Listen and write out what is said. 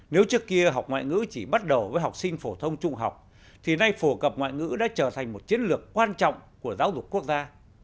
nếu trước kia học ngoại ngữ chỉ bắt đầu với học sinh phổ thông trung học thì nay phổ cập ngoại ngữ đã trở thành một chiến lược quan trọng của giáo dục quốc gia